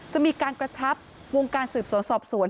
จะมีการกระชับวงการสืบสวนสอบสวน